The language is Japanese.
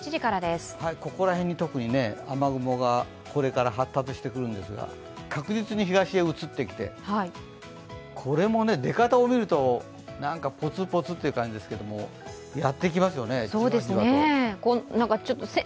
ここら辺に特に雨雲がこれから発達してくるんですが確実に東へ移ってきて、これも出方を見ると、ポツポツという感じですけど、やってきますよね、じわじわと。